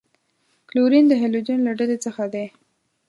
کلورین د هلوجنو له ډلې څخه دی.